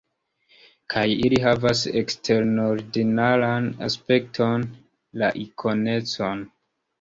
Kaj ili havas eksterordinaran aspekton: la ikonecon.